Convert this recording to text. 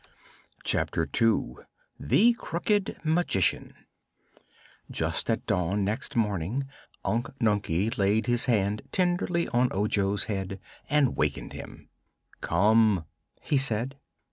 Chapter Two The Crooked Magician Just at dawn next morning Unc Nunkie laid his hand tenderly on Ojo's head and awakened him. "Come," he said.